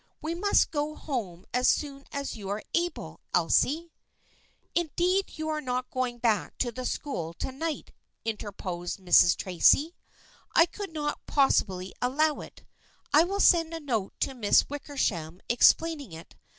We must go home as soon as you are able, Elsie." " Indeed you are not going back to the school to night," interposed Mrs. Tracy. " I could not possibly allow it. I will send a note to Miss Wickersham explaining it.